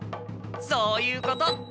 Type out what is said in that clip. そういうこと！